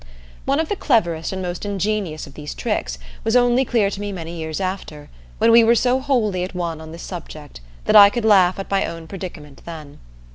One of the cleverest and most ingenious of these tricks was only clear to me many years after, when we were so wholly at one on this subject that I could laugh at my own predicament then.